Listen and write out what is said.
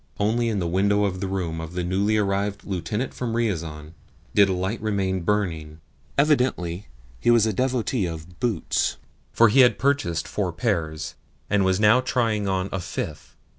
Only in the window of the room of the newly arrived lieutenant from Riazan did a light remain burning. Evidently he was a devotee of boots, for he had purchased four pairs, and was now trying on a fifth.